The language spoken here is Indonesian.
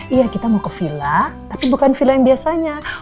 iya kita mau ke villa tapi bukan villa yang biasanya